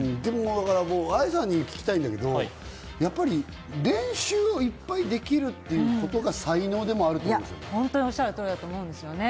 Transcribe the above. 愛さんに聞きたいんだけど、練習をいっぱいできるっていうことが才能でもあると思うんですよね。